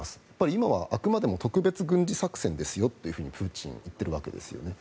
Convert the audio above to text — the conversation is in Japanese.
今はあくまでも特別軍事作戦ですよってプーチンは言っているわけですね。